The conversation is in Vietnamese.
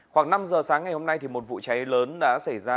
khoảng năm h sáng ngày hôm nay thì một vụ cháy lớn đã xảy ra